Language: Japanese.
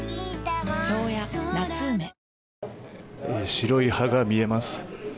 白い歯が見えます。